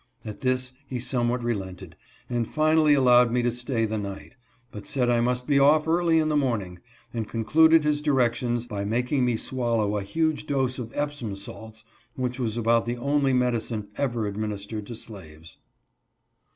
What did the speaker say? At this he somewhat relented, and finally allowed me to stay the night, but said I must be off early in the morning, and concluded his directions by making me swallow a huge dose of Epsom salts, which was about the only medicine ever administered to slaves.